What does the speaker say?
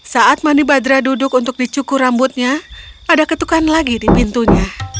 saat manibadra duduk untuk dicukur rambutnya ada ketukan lagi di pintunya